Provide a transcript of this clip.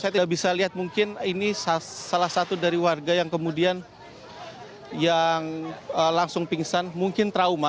saya tidak bisa lihat mungkin ini salah satu dari warga yang kemudian yang langsung pingsan mungkin trauma